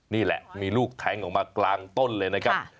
นี่แหละมีลูกแทงออกมากลางต้นเลยนะครับ